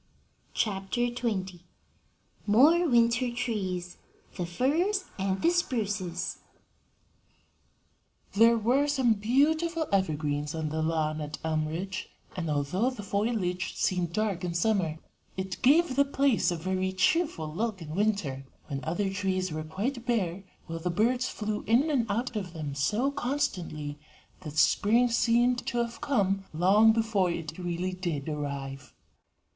CHAPTER XX. MORE WINTER TREES: THE FIRS AND THE SPRUCES. There were some beautiful evergreens on the lawn at Elmridge, and, although the foliage seemed dark in summer, it gave the place a very cheerful look in winter, when other trees were quite bare, while the birds flew in and out of them so constantly that spring seemed to have come long before it really did arrive.